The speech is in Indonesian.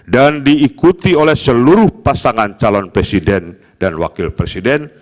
dan diikuti oleh seluruh pasangan calon presiden dan wakil presiden